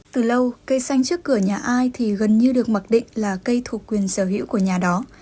từ lâu cây xanh trước cửa nhà ai thì gần như được mặc định là cây thuộc quyền sở hữu của nhà đó